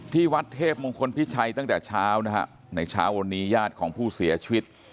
ที่วัดเทพมงคลพิชัยตั้งแต่เช้านะฮะในเช้าวันนี้ญาติของผู้เสียชีวิต